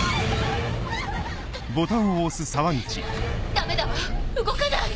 ダメだわ動かない！